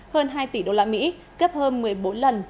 hơn hai tỷ đô la mỹ cấp hơn một mươi bốn lần